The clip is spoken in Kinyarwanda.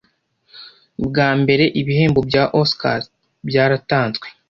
bwa mbere ibihembo bya Oscars byaratanzwe